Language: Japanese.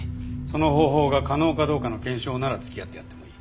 その方法が可能かどうかの検証なら付き合ってやってもいい。